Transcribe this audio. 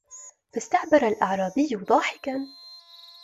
فَاسْتَعْبَرَ الْأَعْرَابِيُّ ضَاحِكًا